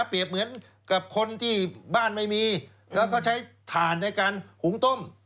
เปรียบเหมือนกับคนที่บ้านไม่มีเขาใช้ฐานในการหุงต้ม